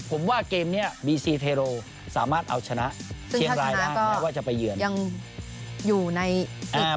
ผมว่าเกมนี้บีซีเทโรสามารถเอาชนะเชียงรายก็ยังอยู่ในสุด